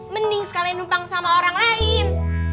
mending sekalian numpang sama orang lain